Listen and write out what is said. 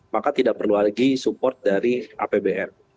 maka tidak perlu lagi support dari apbn